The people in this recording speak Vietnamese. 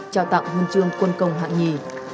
trao tặng huân chương quân công hạng nhì